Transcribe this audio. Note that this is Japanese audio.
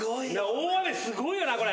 大雨すごいよなこれ。